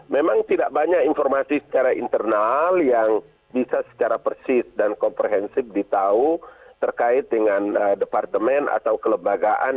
memang tidak banyak informasi secara internal yang bisa secara persis dan komprehensif ditahu terkait dengan departemen atau kelembagaan